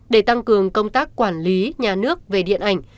để tăng cường công tác quản lý nhà nước về điện ảnh